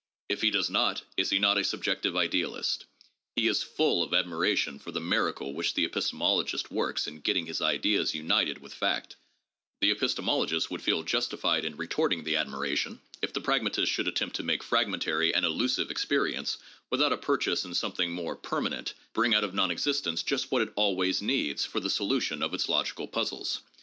If he does not, is he not a subjective idealist? He is full of admiration for the "miracle" which the epistemologist works in getting his ideas united with fact; the epistemologist would feel justified in retorting the admiration if the pragmatist should attempt to make fragmentary and elusive experience, without a purchase in something more permanent, bring out of non existence just what it always needs for the solution of its logical puzzles.